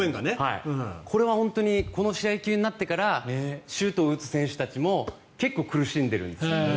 これは本当にこの試合球になってからシュートを打つ選手たちも結構苦しんでるんです。